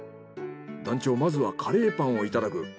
団長まずはカレーパンを頂く。